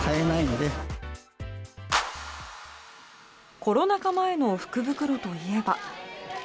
コロナ禍前の福袋といえば。